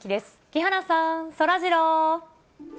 木原さん、そらジロー。